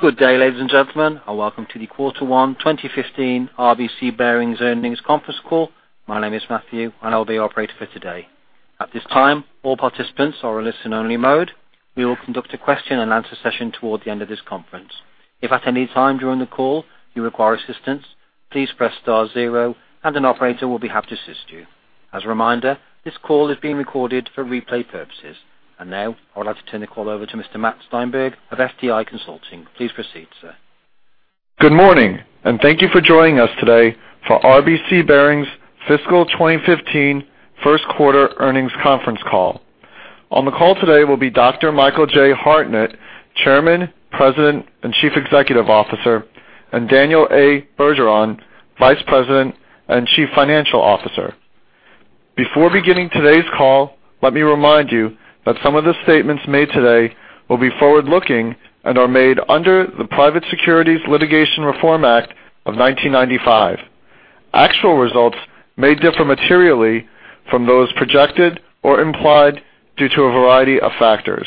Good day, ladies and gentlemen, and welcome to the Quarter One 2015 RBC Bearings Earnings Conference Call. My name is Matthew, and I'll be your operator for today. At this time, all participants are in listen-only mode. We will conduct a question-and-answer session toward the end of this conference. If at any time during the call you require assistance, please press star zero, and an operator will be happy to assist you. As a reminder, this call is being recorded for replay purposes. Now I would like to turn the call over to Mr. Matt Steinberg of FTI Consulting. Please proceed, sir. Good morning, and thank you for joining us today for RBC Bearings Fiscal 2015 First Quarter Earnings Conference Call. On the call today will be Dr. Michael J. Hartnett, Chairman, President, and Chief Executive Officer, and Daniel A. Bergeron, Vice President and Chief Financial Officer. Before beginning today's call, let me remind you that some of the statements made today will be forward-looking and are made under the Private Securities Litigation Reform Act of 1995. Actual results may differ materially from those projected or implied due to a variety of factors.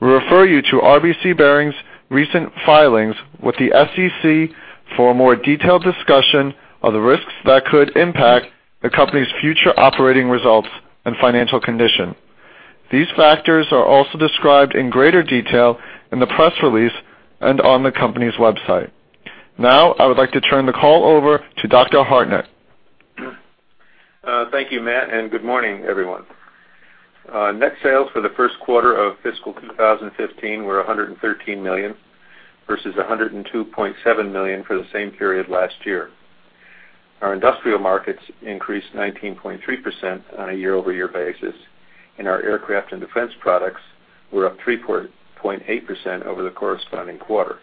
We refer you to RBC Bearings' recent filings with the SEC for a more detailed discussion of the risks that could impact the company's future operating results and financial condition. These factors are also described in greater detail in the press release and on the company's website. Now I would like to turn the call over to Dr. Hartnett. Thank you, Matt, and good morning, everyone. Net sales for the first quarter of fiscal 2015 were $113 million versus $102.7 million for the same period last year. Our industrial markets increased 19.3% on a year-over-year basis, and our aircraft and defense products were up 3.8% over the corresponding quarter.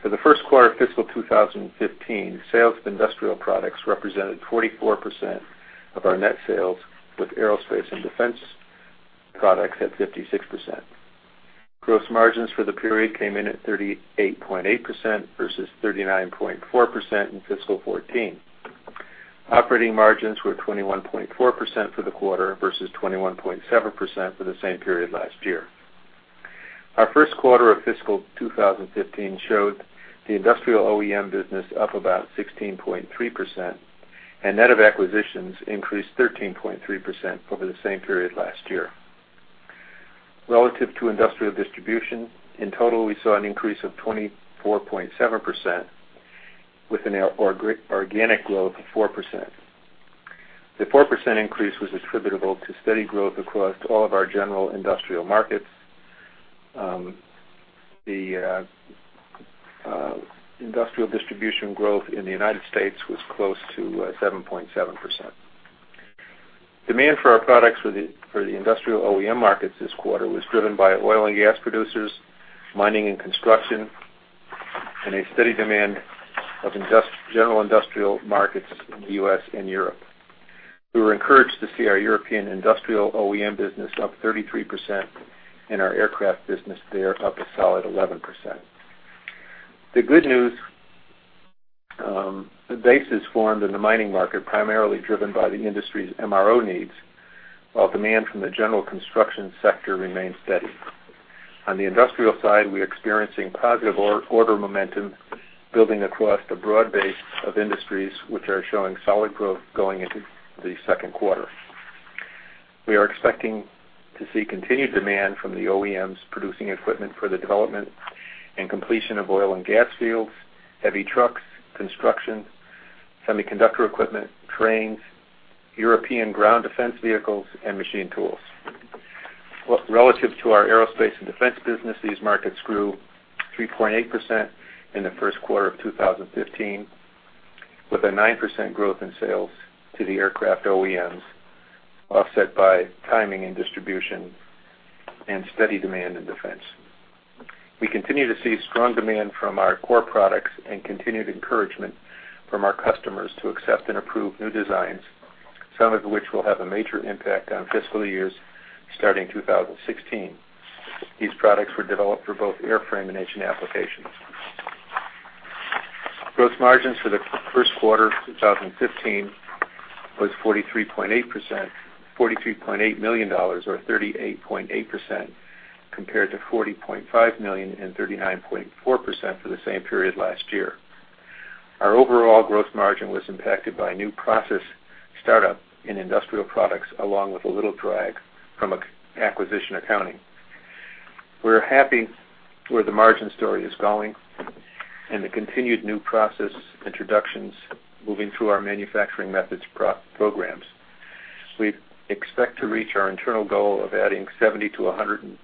For the first quarter of fiscal 2015, sales of industrial products represented 44% of our net sales, with aerospace and defense products at 56%. Gross margins for the period came in at 38.8% versus 39.4% in fiscal 2014. Operating margins were 21.4% for the quarter versus 21.7% for the same period last year. Our first quarter of fiscal 2015 showed the industrial OEM business up about 16.3%, and net of acquisitions increased 13.3% over the same period last year. Relative to industrial distribution, in total we saw an increase of 24.7% with an organic growth of 4%. The 4% increase was attributable to steady growth across all of our general industrial markets. The industrial distribution growth in the United States was close to 7.7%. Demand for our products for the industrial OEM markets this quarter was driven by oil and gas producers, mining and construction, and a steady demand of general industrial markets in the U.S. and Europe. We were encouraged to see our European industrial OEM business up 33% and our aircraft business there up a solid 11%. The good news base is formed in the mining market, primarily driven by the industry's MRO needs, while demand from the general construction sector remains steady. On the industrial side, we are experiencing positive order momentum building across the broad base of industries, which are showing solid growth going into the second quarter. We are expecting to see continued demand from the OEMs producing equipment for the development and completion of oil and gas fields, heavy trucks, construction, semiconductor equipment, trains, European ground defense vehicles, and machine tools. Relative to our aerospace and defense business, these markets grew 3.8% in the first quarter of 2015, with a 9% growth in sales to the aircraft OEMs, offset by timing and distribution and steady demand in defense. We continue to see strong demand from our core products and continued encouragement from our customers to accept and approve new designs, some of which will have a major impact on fiscal years starting 2016. These products were developed for both airframe and engine applications. Gross margins for the first quarter of 2015 was $43.8 million, or 38.8%, compared to $40.5 million and 39.4% for the same period last year. Our overall gross margin was impacted by new process startup in industrial products, along with a little drag from acquisition accounting. We're happy where the margin story is going and the continued new process introductions moving through our manufacturing methods programs. We expect to reach our internal goal of adding 70-100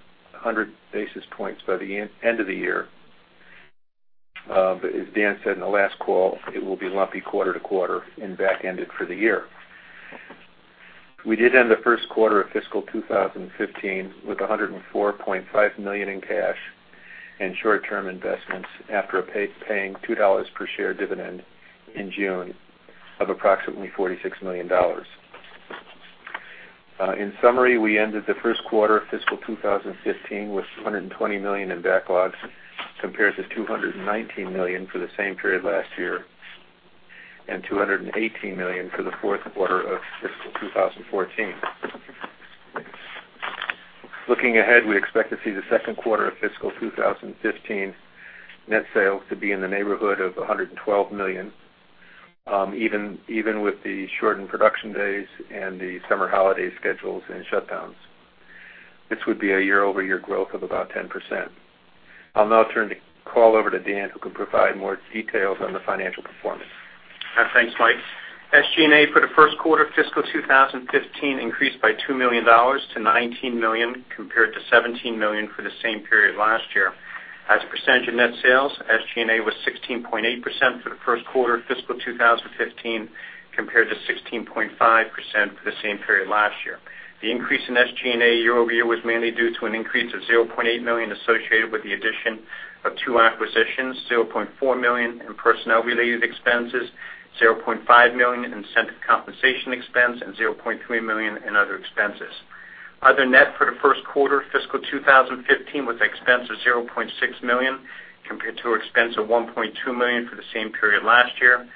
basis points by the end of the year, but as Dan said in the last call, it will be lumpy quarter to quarter and back-ended for the year. We did end the first quarter of fiscal 2015 with $104.5 million in cash and short-term investments after paying $2 per share dividend in June of approximately $46 million. In summary, we ended the first quarter of fiscal 2015 with $120 million in backlogs compared to $219 million for the same period last year and $218 million for the fourth quarter of fiscal 2014. Looking ahead, we expect to see the second quarter of fiscal 2015 net sales to be in the neighborhood of $112 million, even with the shortened production days and the summer holiday schedules and shutdowns. This would be a year-over-year growth of about 10%. I'll now turn the call over to Dan, who can provide more details on the financial performance. Thanks, Mike. SG&A for the first quarter of fiscal 2015 increased by $2 million to $19 million compared to $17 million for the same period last year. As a percentage of net sales, SG&A was 16.8% for the first quarter of fiscal 2015 compared to 16.5% for the same period last year. The increase in SG&A year-over-year was mainly due to an increase of $0.8 million associated with the addition of two acquisitions, $0.4 million in personnel-related expenses, $0.5 million in incentive compensation expense, and $0.3 million in other expenses. Other net for the first quarter of fiscal 2015 was an expense of $0.6 million compared to an expense of $1.2 million for the same period last year.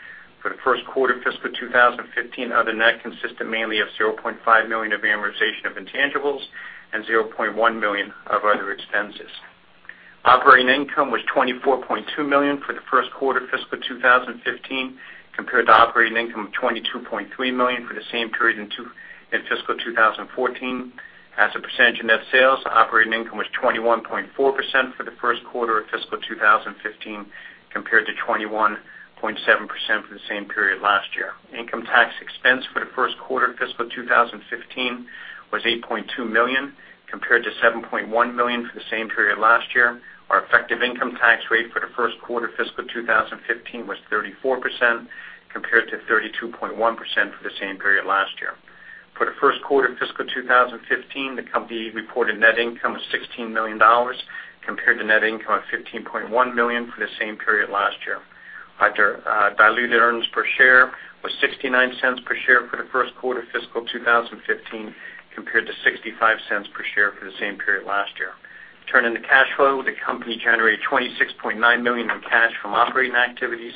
For the first quarter of fiscal 2015, other net consisted mainly of $0.5 million of amortization of intangibles and $0.1 million of other expenses. Operating income was $24.2 million for the first quarter of fiscal 2015 compared to operating income of $22.3 million for the same period in fiscal 2014. As a percentage of net sales, operating income was 21.4% for the first quarter of fiscal 2015 compared to 21.7% for the same period last year. Income tax expense for the first quarter of fiscal 2015 was $8.2 million compared to $7.1 million for the same period last year. Our effective income tax rate for the first quarter of fiscal 2015 was 34% compared to 32.1% for the same period last year. For the first quarter of fiscal 2015, the company reported net income of $16 million compared to net income of $15.1 million for the same period last year. Diluted earnings per share was $0.69 per share for the first quarter of fiscal 2015 compared to $0.65 per share for the same period last year. Turning to cash flow, the company generated $26.9 million in cash from operating activities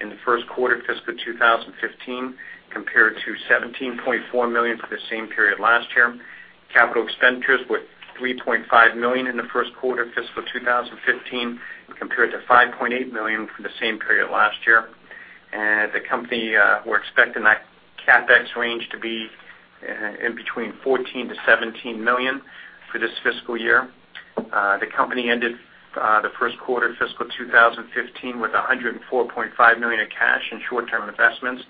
in the first quarter of fiscal 2015 compared to $17.4 million for the same period last year. Capital expenditures were $3.5 million in the first quarter of fiscal 2015 compared to $5.8 million for the same period last year. The company were expecting that CapEx range to be in between $14 million-$17 million for this fiscal year. The company ended the first quarter of fiscal 2015 with $104.5 million in cash and short-term investments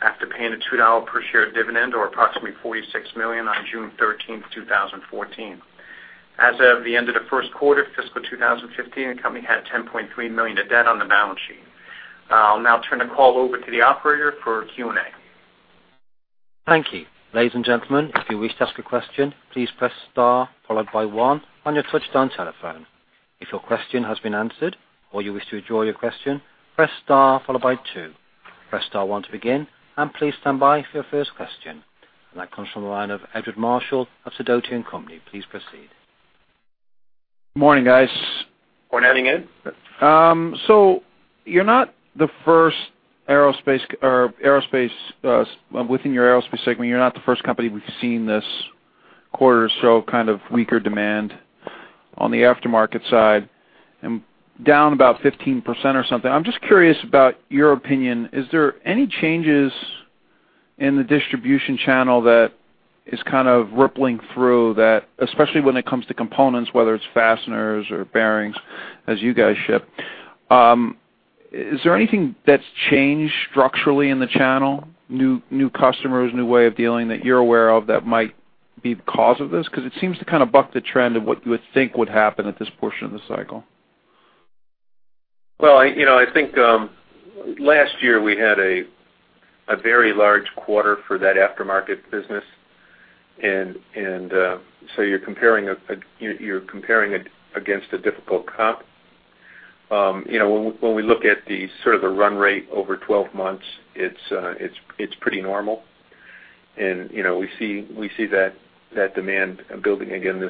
after paying a $2 per share dividend, or approximately $46 million, on June 13, 2014. As of the end of the first quarter of fiscal 2015, the company had $10.3 million of debt on the balance sheet. I'll now turn the call over to the operator for Q&A. Thank you. Ladies and gentlemen, if you wish to ask a question, please press star followed by one on your touch-tone telephone. If your question has been answered or you wish to withdraw your question, press star followed by two. Press star one to begin, and please stand by for your first question. And that comes from the line of Edward Marshall of Sidoti and Company. Please proceed. Good morning, guys. Morning. Anything Ed? So you're not the first aerospace within your aerospace segment, you're not the first company we've seen this quarter show kind of weaker demand on the aftermarket side, and down about 15% or something. I'm just curious about your opinion. Is there any changes in the distribution channel that is kind of rippling through, especially when it comes to components, whether it's fasteners or bearings, as you guys ship? Is there anything that's changed structurally in the channel? New customers, new way of dealing that you're aware of that might be the cause of this? Because it seems to kind of buck the trend of what you would think would happen at this portion of the cycle. Well, I think last year we had a very large quarter for that aftermarket business, and so you're comparing against a difficult comp. When we look at sort of the run rate over 12 months, it's pretty normal, and we see that demand building again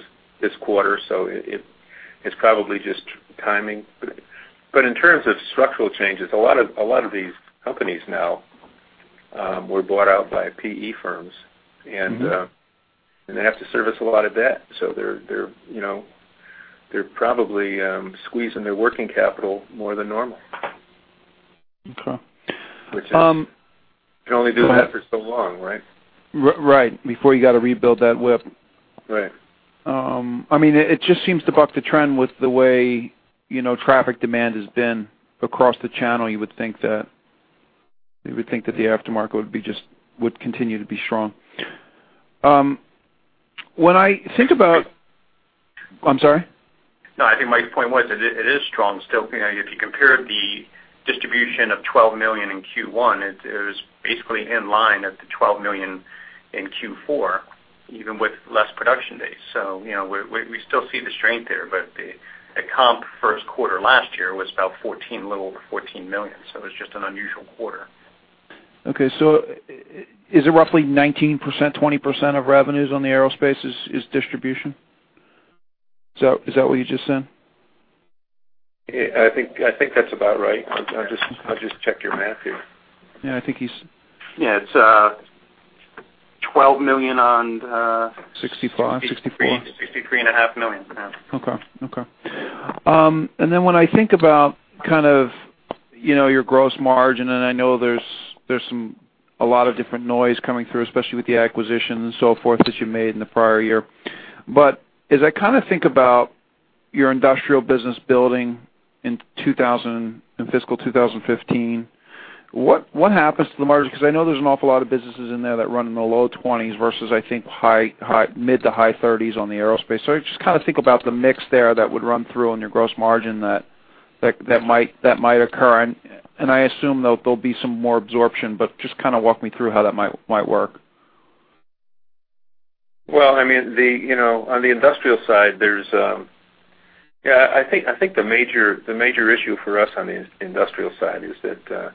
this quarter, so it's probably just timing. But in terms of structural changes, a lot of these companies now were bought out by PE firms, and they have to service a lot of debt, so they're probably squeezing their working capital more than normal. Okay. Which can only do that for so long, right? Right. Before you got to rebuild that WIP. Right. I mean, it just seems to buck the trend with the way traffic demand has been across the channel. You would think that you would think that the aftermarket would continue to be strong. When I think about I'm sorry? No, I think Mike's point was it is strong still. If you compare the distribution of $12 million in Q1, it was basically in line at the $12 million in Q4, even with less production days. So we still see the strength there, but the comp first quarter last year was about 14, a little over $14 million, so it was just an unusual quarter. Okay. So is it roughly 19%-20% of revenues on the aerospace is distribution? Is that what you just said? I think that's about right. I'll just check your math here. Yeah, I think he's. Yeah, it's $12 million on. 65, 64? $63.5 million, yeah. Okay. Okay. And then when I think about kind of your gross margin, and I know there's a lot of different noise coming through, especially with the acquisitions and so forth that you made in the prior year. But as I kind of think about your industrial business building in fiscal 2015, what happens to the margin? Because I know there's an awful lot of businesses in there that run in the low 20s versus, I think, mid-to-high 30s on the aerospace. So I just kind of think about the mix there that would run through on your gross margin that might occur. And I assume there'll be some more absorption, but just kind of walk me through how that might work. Well, I mean, on the industrial side, there's yeah, I think the major issue for us on the industrial side is that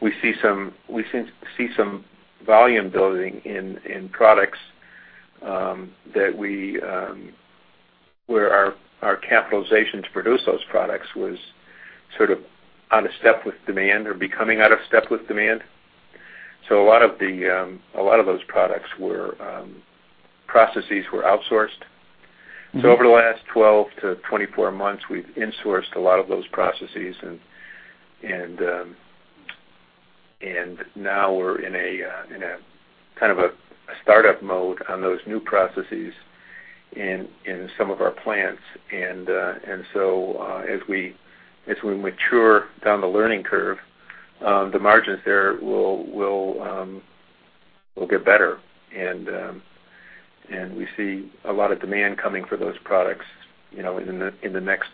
we see some volume building in products that we where our capitalizations to produce those products was sort of out of step with demand or becoming out of step with demand. So a lot of the a lot of those products were processes were outsourced. So over the last 12-24 months, we've insourced a lot of those processes, and now we're in a kind of a startup mode on those new processes in some of our plants. And so as we mature down the learning curve, the margins there will get better, and we see a lot of demand coming for those products in the next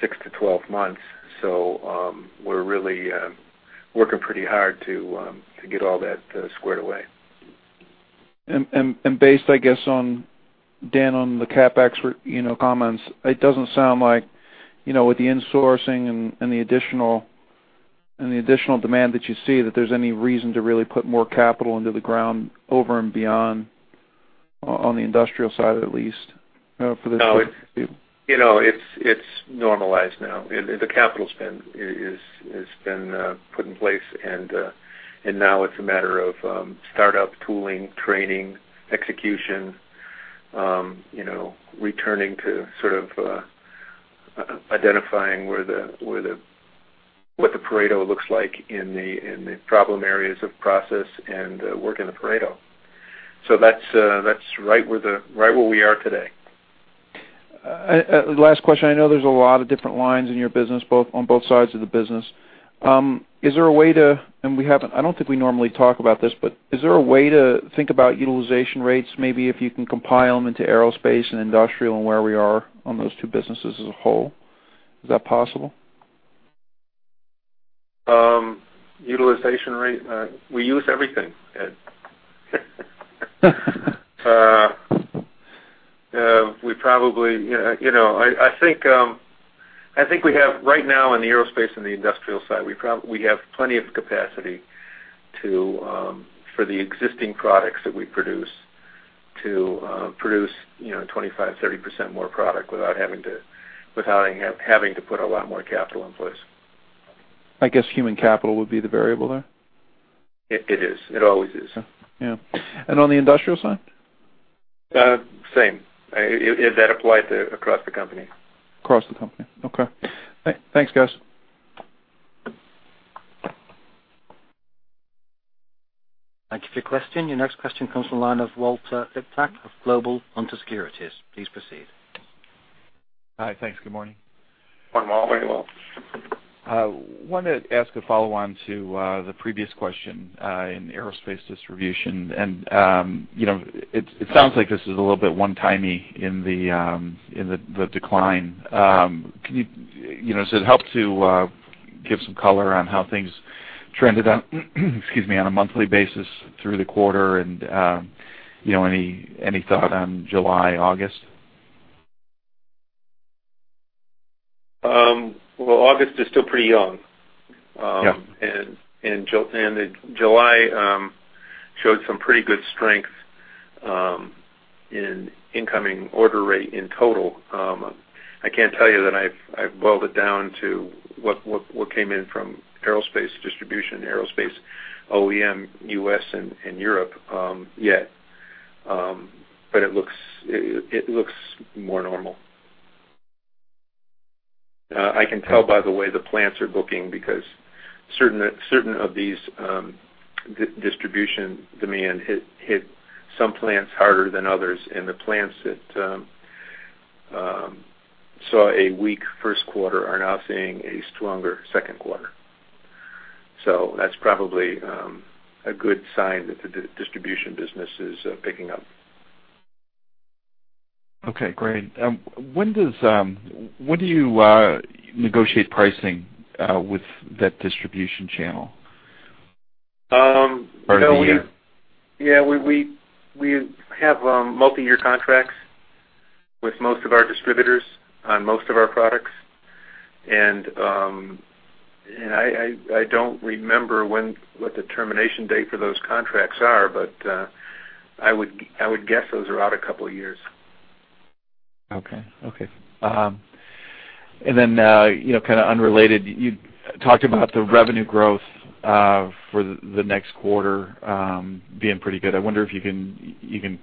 six-12 months. So we're really working pretty hard to get all that squared away. Based, I guess, on Dan, on the CapEx comments, it doesn't sound like with the insourcing and the additional demand that you see, that there's any reason to really put more capital into the ground over and beyond on the industrial side, at least, for this fiscal year. No, it's normalized now. The capital spend has been put in place, and now it's a matter of startup tooling, training, execution, returning to sort of identifying what the Pareto looks like in the problem areas of process and working the Pareto. So that's right where we are today. Last question. I know there's a lot of different lines in your business, both on both sides of the business. Is there a way to and I don't think we normally talk about this, but is there a way to think about utilization rates, maybe if you can compile them into aerospace and industrial and where we are on those two businesses as a whole? Is that possible? Utilization rate? We use everything. We probably, I think, we have right now in the aerospace and the industrial side, we have plenty of capacity for the existing products that we produce to produce 25%-30% more product without having to put a lot more capital in place. I guess human capital would be the variable there? It is. It always is. Yeah. And on the industrial side? Same. Does that apply across the company? Across the company. Okay. Thanks, guys. Thank you for your question. Your next question comes from the line of Walter Liptak of Global Hunter Securities. Please proceed. Hi. Thanks. Good morning. Morning, Walter. How are you? I wanted to ask a follow-on to the previous question in aerospace distribution, and it sounds like this is a little bit one-timey in the decline. Does it help to give some color on how things trended on, excuse me, on a monthly basis through the quarter and any thought on July, August? Well, August is still pretty young, and July showed some pretty good strength in incoming order rate in total. I can't tell you that I've boiled it down to what came in from aerospace distribution, aerospace OEM, U.S., and Europe yet, but it looks more normal. I can tell, by the way, the plants are booking because certain of these distribution demand hit some plants harder than others, and the plants that saw a weak first quarter are now seeing a stronger second quarter. So that's probably a good sign that the distribution business is picking up. Okay. Great. When do you negotiate pricing with that distribution channel? Yeah, we have multi-year contracts with most of our distributors on most of our products, and I don't remember what the termination date for those contracts are, but I would guess those are out a couple of years. Okay. Okay. And then kind of unrelated, you talked about the revenue growth for the next quarter being pretty good. I wonder if you can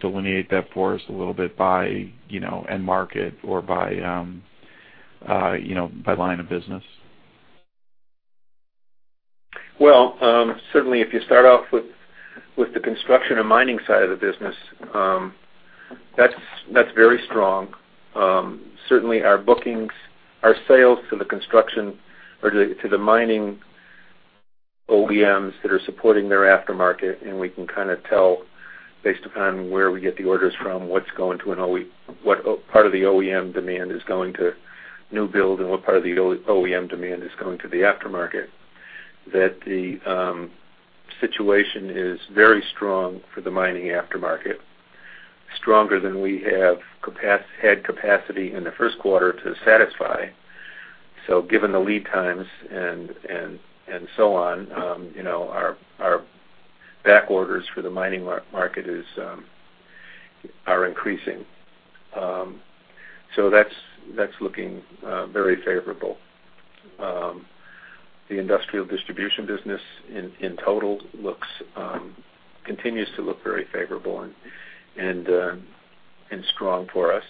delineate that for us a little bit by end market or by line of business? Well, certainly, if you start off with the construction and mining side of the business, that's very strong. Certainly, our sales to the construction or to the mining OEMs that are supporting their aftermarket, and we can kind of tell based upon where we get the orders from, what's going to an end user what part of the OEM demand is going to new build and what part of the OEM demand is going to the aftermarket, that the situation is very strong for the mining aftermarket, stronger than we had capacity in the first quarter to satisfy. So given the lead times and so on, our back orders for the mining market are increasing. So that's looking very favorable. The industrial distribution business in total continues to look very favorable and strong for us.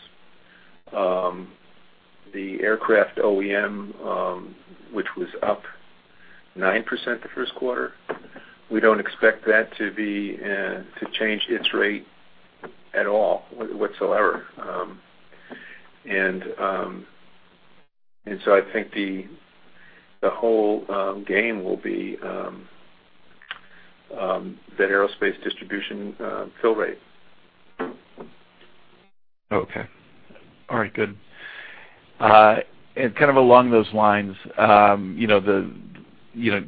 The aircraft OEM, which was up 9% the first quarter, we don't expect that to change its rate at all whatsoever. So I think the whole game will be that aerospace distribution fill rate. Okay. All right. Good. And kind of along those lines,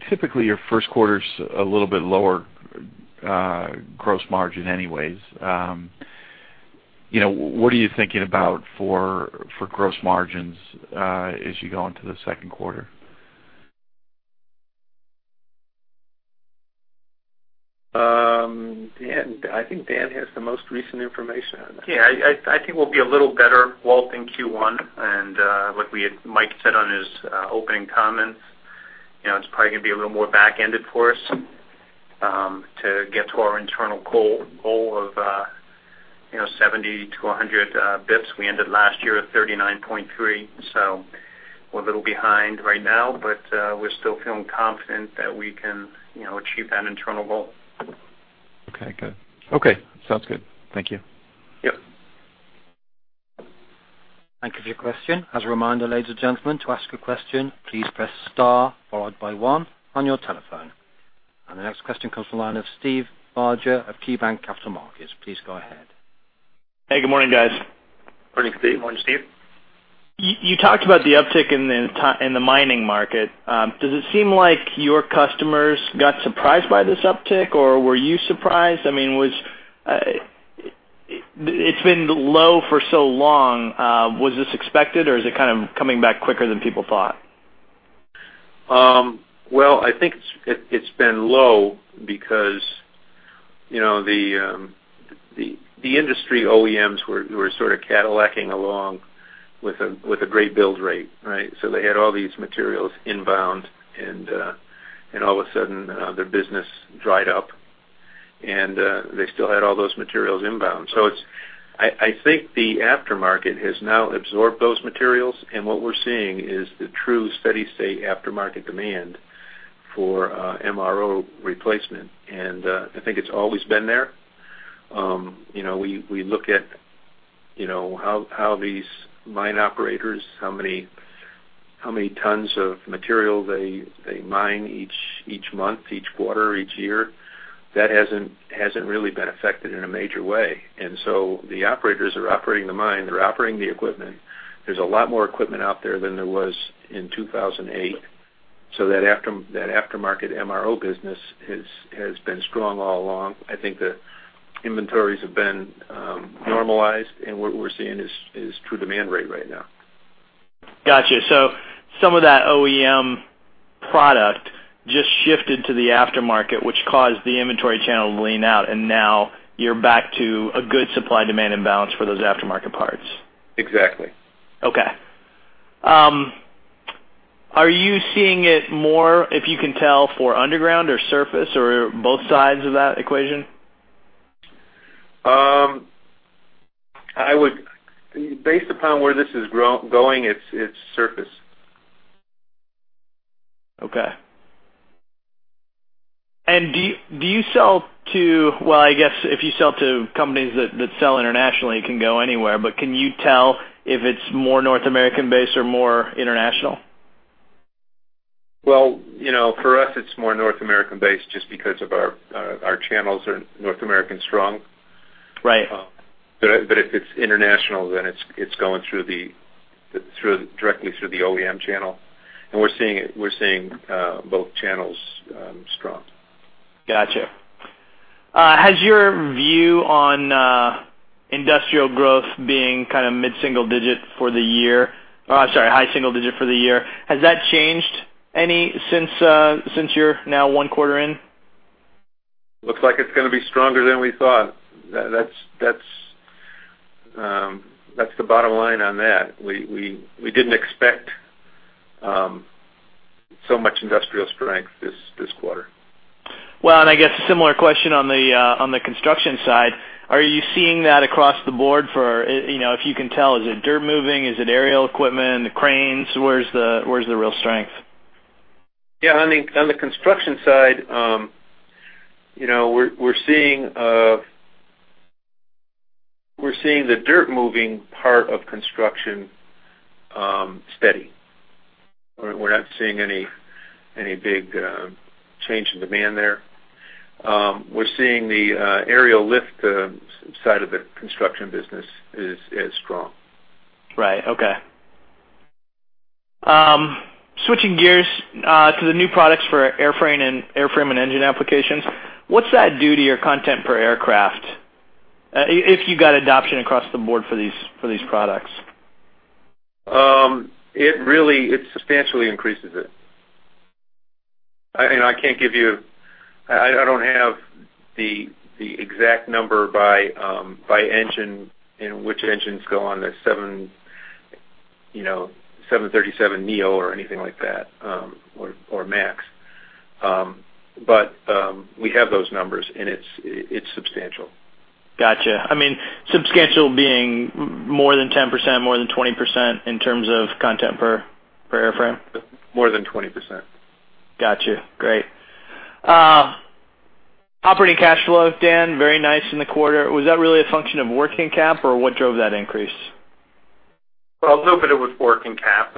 typically, your first quarter's a little bit lower gross margin anyways. What are you thinking about for gross margins as you go into the second quarter? I think Dan has the most recent information on that. Yeah, I think we'll be a little better, Walt, in Q1. And like Mike said on his opening comments, it's probably going to be a little more back-ended for us to get to our internal goal of 70-100 basis points. We ended last year at 39.3, so we're a little behind right now, but we're still feeling confident that we can achieve that internal goal. Okay. Good. Okay. Sounds good. Thank you. Yep. Thank you for your question. As a reminder, ladies and gentlemen, to ask a question, please press star followed by one on your telephone. And the next question comes from the line of Steve Barger of KeyBanc Capital Markets. Please go ahead. Hey. Good morning, guys. Morning, Steve. Morning, Steve. You talked about the uptick in the mining market. Does it seem like your customers got surprised by this uptick, or were you surprised? I mean, it's been low for so long. Was this expected, or is it kind of coming back quicker than people thought? Well, I think it's been low because the industry OEMs were sort of Cadillacing along with a great build rate, right? So they had all these materials inbound, and all of a sudden, their business dried up, and they still had all those materials inbound. So I think the aftermarket has now absorbed those materials, and what we're seeing is the true steady-state aftermarket demand for MRO replacement, and I think it's always been there. We look at how these mine operators, how many tons of material they mine each month, each quarter, each year. That hasn't really been affected in a major way. And so the operators are operating the mine. They're operating the equipment. There's a lot more equipment out there than there was in 2008. So that aftermarket MRO business has been strong all along. I think the inventories have been normalized, and what we're seeing is true demand rate right now. Gotcha. So some of that OEM product just shifted to the aftermarket, which caused the inventory channel to lean out, and now you're back to a good supply-demand imbalance for those aftermarket parts. Exactly. Okay. Are you seeing it more, if you can tell, for underground or surface or both sides of that equation? Based upon where this is going, it's surface. Okay. And do you sell to well, I guess if you sell to companies that sell internationally, it can go anywhere, but can you tell if it's more North American-based or more international? Well, for us, it's more North American-based just because of our channels are North American-strong. But if it's international, then it's going directly through the OEM channel, and we're seeing both channels strong. Gotcha. Has your view on industrial growth being kind of mid-single digit for the year or I'm sorry, high-single digit for the year, has that changed since you're now one quarter in? Looks like it's going to be stronger than we thought. That's the bottom line on that. We didn't expect so much industrial strength this quarter. Well, and I guess a similar question on the construction side. Are you seeing that across the board for if you can tell, is it dirt moving? Is it aerial equipment? The cranes? Where's the real strength? Yeah. On the construction side, we're seeing the dirt-moving part of construction steady. We're not seeing any big change in demand there. We're seeing the aerial lift side of the construction business is strong. Right. Okay. Switching gears to the new products for airframe and engine applications, what's that do to your content per aircraft if you got adoption across the board for these products? It substantially increases it. I mean, I can't give you. I don't have the exact number by which engines go on the 737 neo or anything like that or MAX, but we have those numbers, and it's substantial. Gotcha. I mean, substantial being more than 10%, more than 20% in terms of content per airframe? More than 20%. Gotcha. Great. Operating cash flow, Dan, very nice in the quarter. Was that really a function of working cap, or what drove that increase? Well, a little bit of it was working cap,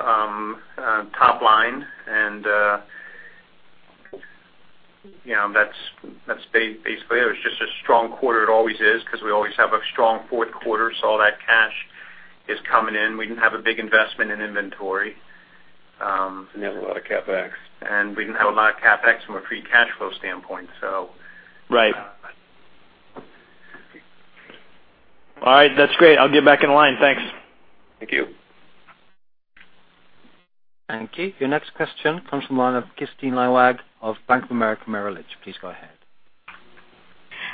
top line, and that's basically it. It was just a strong quarter. It always is because we always have a strong fourth quarter, so all that cash is coming in. We didn't have a big investment in inventory. We didn't have a lot of CapEx. We didn't have a lot of CapEx from a free cash flow standpoint, so. All right. That's great. I'll get back in line. Thanks. Thank you. Thank you. Your next question comes from the line of Kristine Liwag of Bank of America Merrill Lynch. Please go ahead.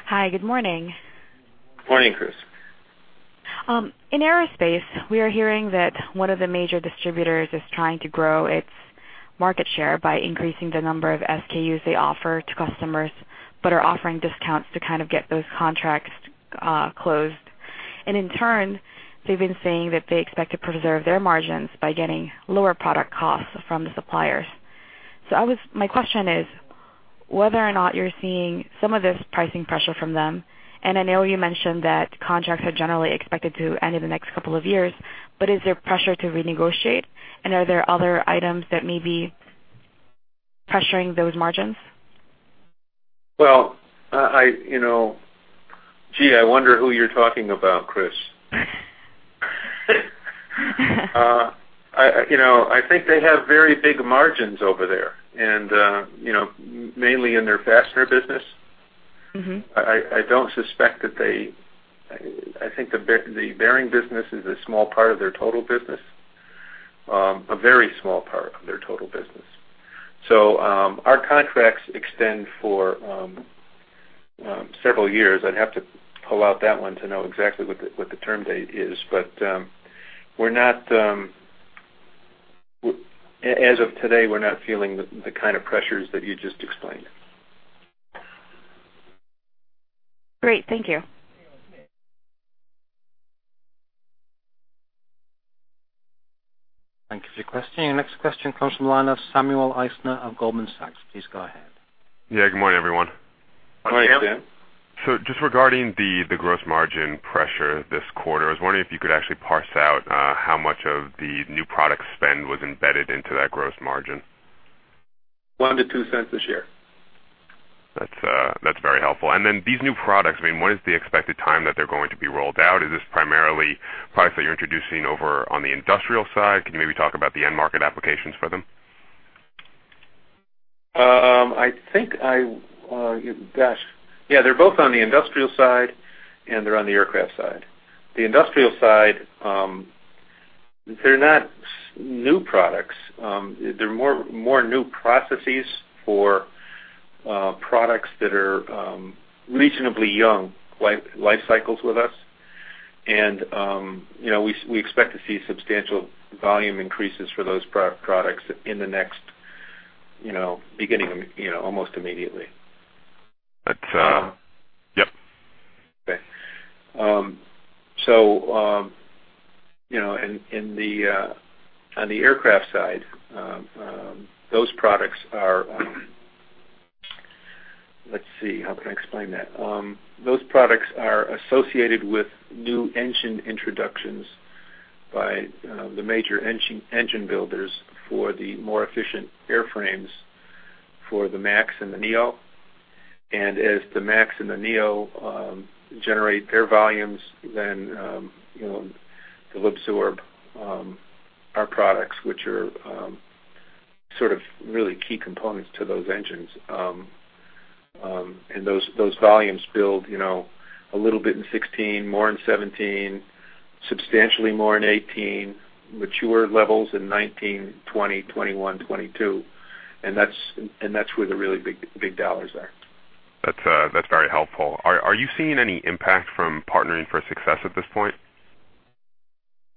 Hi. Good morning. Morning, Chris. In aerospace, we are hearing that one of the major distributors is trying to grow its market share by increasing the number of SKUs they offer to customers, but are offering discounts to kind of get those contracts closed. And in turn, they've been saying that they expect to preserve their margins by getting lower product costs from the suppliers. So my question is whether or not you're seeing some of this pricing pressure from them, and I know you mentioned that contracts are generally expected to end in the next couple of years, but is there pressure to renegotiate, and are there other items that may be pressuring those margins? Well, gee, I wonder who you're talking about, Chris. I think they have very big margins over there, and mainly in their fastener business. I think the bearing business is a small part of their total business, a very small part of their total business. So our contracts extend for several years. I'd have to pull out that one to know exactly what the term date is, but as of today, we're not feeling the kind of pressures that you just explained. Great. Thank you. Thank you for your question. Your next question comes from the line of Samuel Eisner of Goldman Sachs. Please go ahead. Yeah. Good morning, everyone. Morning, Sam. Just regarding the gross margin pressure this quarter, I was wondering if you could actually parse out how much of the new product spend was embedded into that gross margin? $0.01-$0.02 this year. That's very helpful. And then these new products, I mean, when is the expected time that they're going to be rolled out? Is this primarily products that you're introducing over on the industrial side? Can you maybe talk about the end-market applications for them? Yeah. They're both on the industrial side, and they're on the aircraft side. The industrial side, they're not new products. They're more new processes for products that are reasonably young life cycles with us, and we expect to see substantial volume increases for those products in the next beginning almost immediately. Yep. Okay. So on the aircraft side, those products are let's see. How can I explain that? Those products are associated with new engine introductions by the major engine builders for the more efficient airframes for the MAX and the neo. And as the MAX and the neo generate air volumes, then they'll absorb our products, which are sort of really key components to those engines. And those volumes build a little bit in 2016, more in 2017, substantially more in 2018, mature levels in 2019, 2020, 2021, 2022, and that's where the really big dollars are. That's very helpful. Are you seeing any impact from Partnering for Success at this point?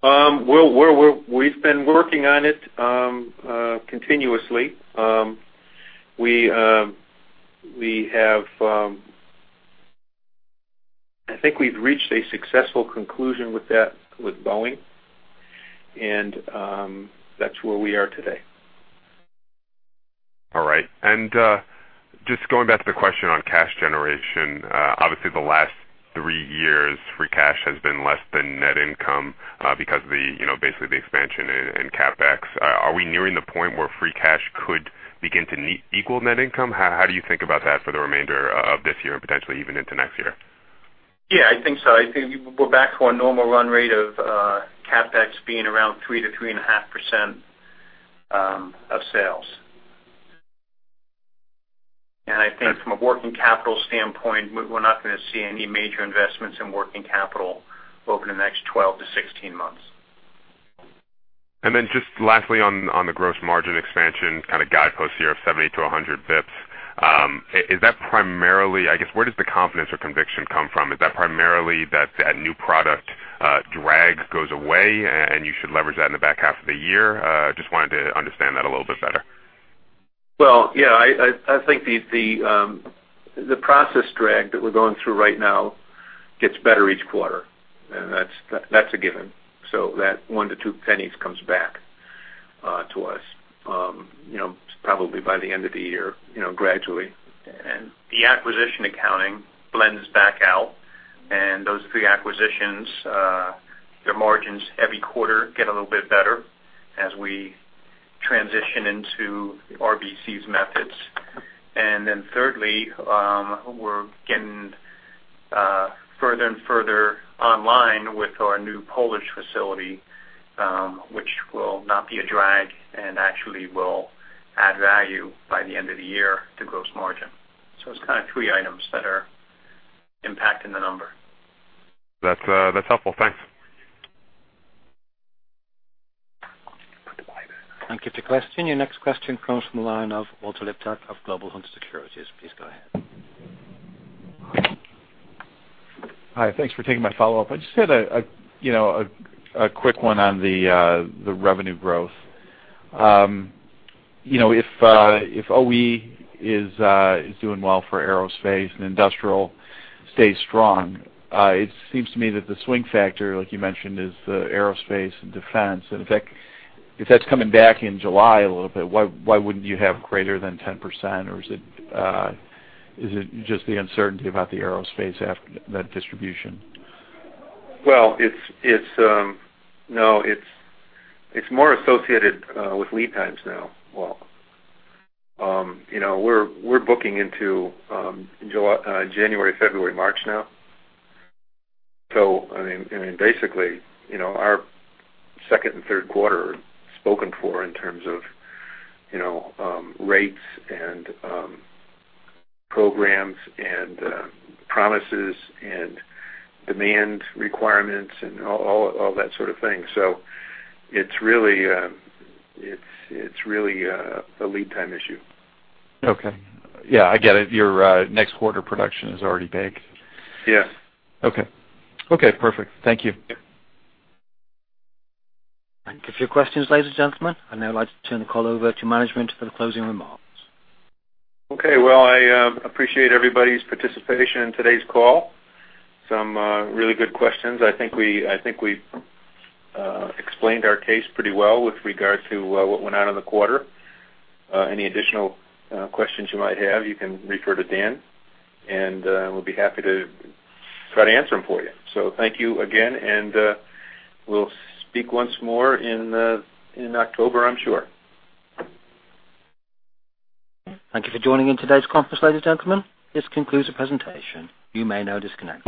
We've been working on it continuously. I think we've reached a successful conclusion with Boeing, and that's where we are today. All right. And just going back to the question on cash generation, obviously, the last three years, free cash has been less than net income because of basically the expansion and CapEx. Are we nearing the point where free cash could begin to equal net income? How do you think about that for the remainder of this year and potentially even into next year? Yeah. I think so. I think we're back to a normal run rate of CapEx being around 3%-3.5% of sales. And I think from a working capital standpoint, we're not going to see any major investments in working capital over the next 12-16 months. And then just lastly on the gross margin expansion kind of guidepost here of 70-100 basis points, is that primarily, I guess, where does the confidence or conviction come from? Is that primarily that that new product drag goes away, and you should leverage that in the back half of the year? Just wanted to understand that a little bit better. Well, yeah. I think the process drag that we're going through right now gets better each quarter, and that's a given. So that 1-2 pennies comes back to us probably by the end of the year gradually. And the acquisition accounting blends back out, and those three acquisitions, their margins every quarter get a little bit better as we transition into RBC's methods. And then thirdly, we're getting further and further online with our new Polish facility, which will not be a drag and actually will add value by the end of the year to gross margin. So it's kind of three items that are impacting the number. That's helpful. Thanks. Thank you for your question. Your next question comes from the line of Walter Liptak of Global Hunter Securities. Please go ahead. Hi. Thanks for taking my follow-up. I just had a quick one on the revenue growth. If OEM is doing well for aerospace and industrial stays strong, it seems to me that the swing factor, like you mentioned, is aerospace and defense. And if that's coming back in July a little bit, why wouldn't you have greater than 10%, or is it just the uncertainty about the aerospace distribution? Well, no. It's more associated with lead times now. Well, we're booking into January, February, March now. So I mean, basically, our second and third quarter are spoken for in terms of rates and programs and promises and demand requirements and all that sort of thing. So it's really a lead time issue. Okay. Yeah. I get it. Your next quarter production is already baked. Yeah. Okay. Okay. Perfect. Thank you. Thank you for your questions, ladies and gentlemen. I'd now like to turn the call over to management for the closing remarks. Okay. Well, I appreciate everybody's participation in today's call. Some really good questions. I think we explained our case pretty well with regard to what went on in the quarter. Any additional questions you might have, you can refer to Dan, and we'll be happy to try to answer them for you. So thank you again, and we'll speak once more in October, I'm sure. Thank you for joining in today's conference, ladies and gentlemen. This concludes the presentation. You may now disconnect.